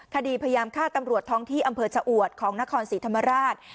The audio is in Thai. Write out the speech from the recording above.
คดีพยายามฆ่าตำรวจท้องที่อำเภอชะอวดของนครศรีธรรมราช